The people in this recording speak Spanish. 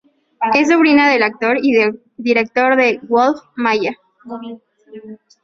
Es sobrina del actor y director Wolf Maya.